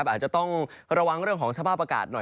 อาจจะต้องระวังเรื่องของสภาพอากาศหน่อย